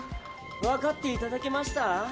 わかっていただけました？